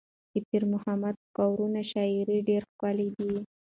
د پیر محمد کاروان شاعري ډېره ښکلې ده.